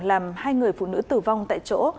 làm hai người phụ nữ tử vong tại chỗ